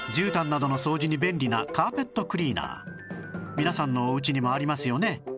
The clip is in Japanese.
皆さんのおうちにもありますよね？